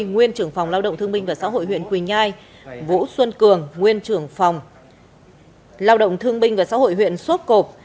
nguyên trưởng phòng lao động thương minh và xã hội huyện quỳnh nhai vũ xuân cường nguyên trưởng phòng lao động thương binh và xã hội huyện sốp cộp